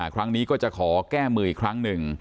ครั้งนี้ก็จะขอแก้มืออีกครั้งหนึ่ง